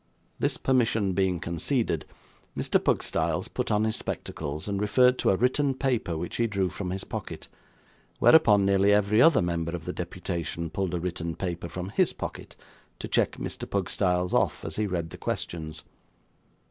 This permission being conceded, Mr. Pugstyles put on his spectacles, and referred to a written paper which he drew from his pocket; whereupon nearly every other member of the deputation pulled a written paper from HIS pocket, to check Mr. Pugstyles off, as he read the questions.